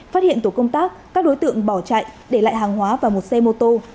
phát hiện tổ công tác các đối tượng bỏ chạy để lại hàng hóa và một xe mô tô